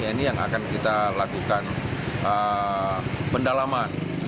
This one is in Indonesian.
ini yang akan kita lakukan pendalaman